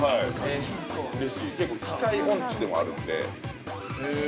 結構、機械オンチでもあるので。